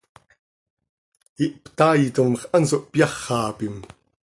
Ihptaaitom x, hanso hpyáxapim.